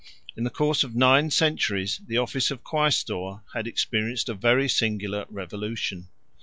3. In the course of nine centuries, the office of quæstor had experienced a very singular revolution.